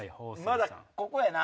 まだここやな。